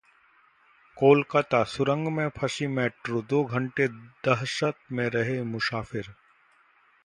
कोलकाता: सुरंग में फंसी मेट्रो, दो घंटे दहशत में रहे मुसाफिर